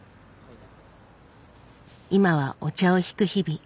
今はお茶をひく日々。